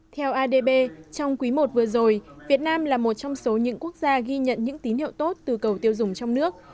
theo adb trong quý i vừa rồi việt nam là một trong số những quốc gia ghi nhận những tín hiệu tốt từ cầu tiêu dùng trong nước